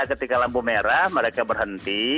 ketika lampu merah mereka berhenti